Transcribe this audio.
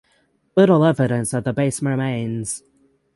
Little evidence of the base remains.